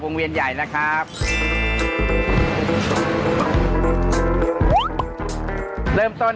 ปู่พญานาคี่อยู่ในกล่อง